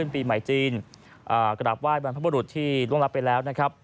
ปีใหม่จีนกฎาบว่ายบรรพพรุธที่ร่วมรับไปแล้วนะครับ